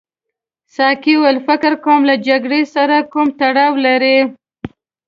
ساقي وویل فکر کوم له جګړې سره کوم تړاو لري.